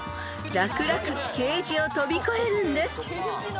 楽々ケージを飛び越えるんです］